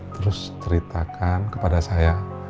terus ceritakan kepada saya